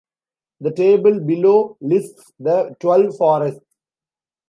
The table below lists the twelve forests.